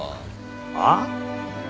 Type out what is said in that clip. あっ。